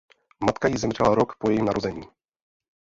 Matka jí zemřela rok po jejím narození.